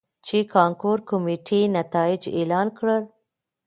،چې کانکور کميټې نتايج اعلان کړل.